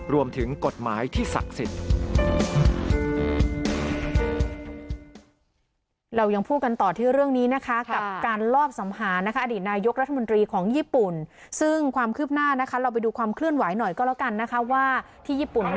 รวมถึงกฎหมายที่ศักดิ์สิทธิ์